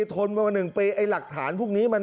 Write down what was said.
ทนมากว่าหนึ่งปีไอหลักฐานพวกนี้